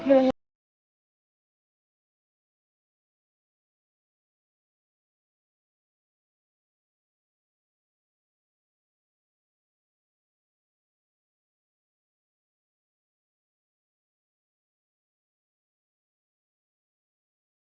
aku gak siap